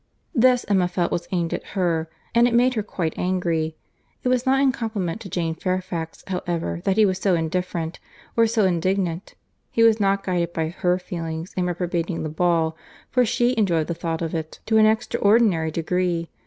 This Emma felt was aimed at her; and it made her quite angry. It was not in compliment to Jane Fairfax however that he was so indifferent, or so indignant; he was not guided by her feelings in reprobating the ball, for she enjoyed the thought of it to an extraordinary degree.